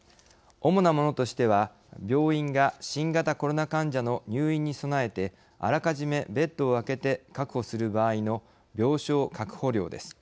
主なものとしては病院が新型コロナ患者の入院に備えてあらかじめベッドを空けて確保する場合の病床確保料です。